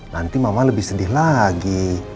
nanti mama lebih sedih lagi